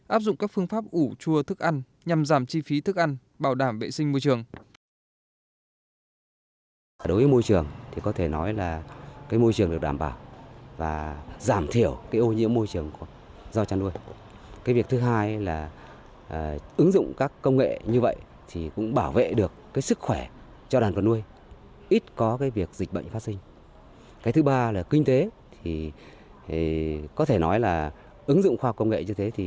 áp dụng các phương pháp ủ chua thức ăn nhằm giảm chi phí thức ăn bảo đảm vệ sinh môi trường